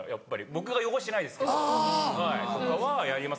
僕が汚してないですけどとかはやります。